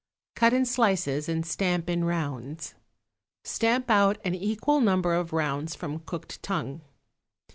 Cut in slices and stamp in rounds. Stamp out an equal number of rounds from cooked tongue.